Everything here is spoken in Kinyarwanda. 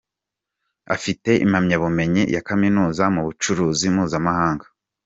Afite impamyabumenyi ya kaminuza mu Bucuruzi mpuzamahanga.